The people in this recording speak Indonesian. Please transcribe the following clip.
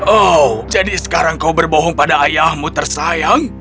oh jadi sekarang kau berbohong pada ayahmu tersayang